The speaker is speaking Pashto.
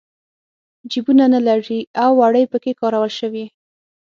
جېبونه نه لري او وړۍ پکې کارول شوي.